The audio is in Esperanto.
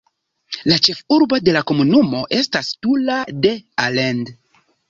La ĉefurbo de la komunumo estas Tula de Allende.